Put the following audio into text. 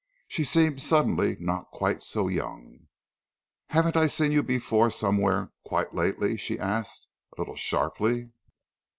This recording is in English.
She seemed suddenly not quite so young. "Haven't I seen you before somewhere quite lately?" she asked, a little sharply.